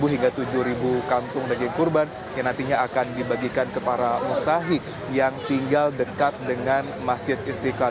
sepuluh hingga tujuh kantung daging kurban yang nantinya akan dibagikan ke para mustahik yang tinggal dekat dengan masjid istiqlal